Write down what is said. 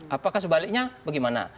apakah sebaliknya bagaimana